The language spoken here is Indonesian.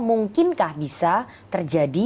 mungkinkah bisa terjadi